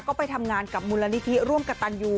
ก็ไปทำงานกับมูลนิธิร่วมกับตันยู